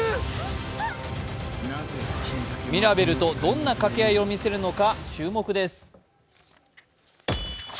ミラベルとどんな掛け合いを見せるのか、注目です。